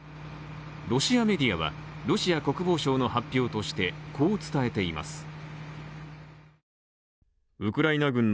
ロシアメディアはロシア国防省の発表として、こう伝えています。